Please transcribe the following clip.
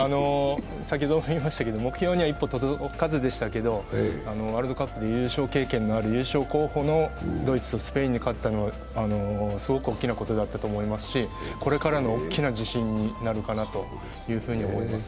先ほども言いましたけれども目標には一歩届かずでしたけど、ワールドカップで優勝経験のある優勝候補のドイツとスペインに勝ったのはすごく大きなことだったと思いますしこれからの大きな自信になるかなと思います。